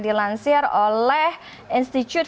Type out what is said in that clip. dilansir oleh institute